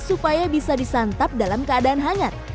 supaya bisa disantap dalam keadaan hangat